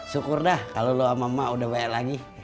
syukur dah kalo lu sama emak udah banyak lagi